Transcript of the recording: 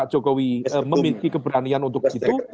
jokowi memiliki keberanian untuk itu